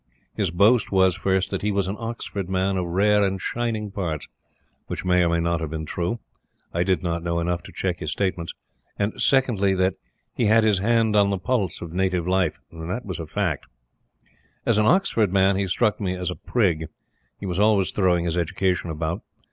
His boast was, first, that he was an Oxford Man of rare and shining parts, which may or may not have been true I did not know enough to check his statements and, secondly, that he "had his hand on the pulse of native life" which was a fact. As an Oxford man, he struck me as a prig: he was always throwing his education about.